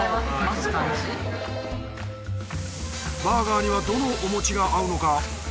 バーガーにはどのお餅が合うのか。